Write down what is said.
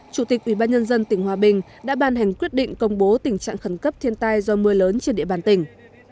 chủ tịch ubnd tỉnh hòa bình đã ban hành quyết định công bố tình trạng khẩn cấp thiên tai do mưa lớn trên địa bàn tỉnh